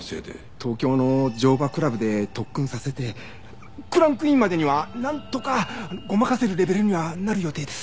東京の乗馬クラブで特訓させてクランクインまでにはなんとかごまかせるレベルにはなる予定です。